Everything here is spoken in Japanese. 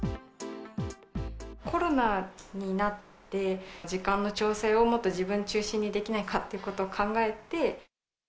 コロナになって、時間の調整をもっと自分中心にできないかっていうことを考えて。